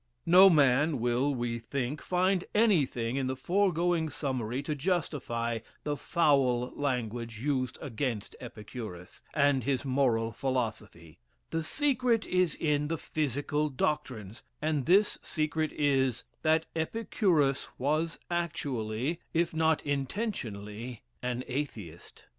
No man will, we think, find anything in the foregoing summary to justify the foul language used against Epicurus, and his moral philosophy; the secret is in the physical doctrines, and this secret is, that Epicurus was actually, if not intentionally, an Atheist.